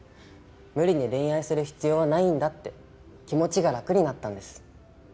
無理に恋愛する必要はないんだって気持ちが楽になったんです。